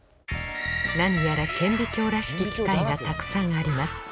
何やら顕微鏡らしき機械がたくさんあります